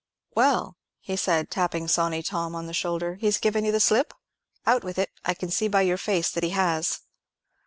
"Well," he said, tapping Sawney Tom on the shoulder, "he's given you the slip? Out with it; I can see by your face that he has."